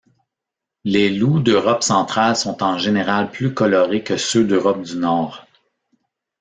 Les loups d'Europe centrale sont en général plus colorés que ceux d'Europe du Nord.